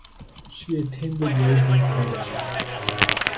She attended Rosebank College.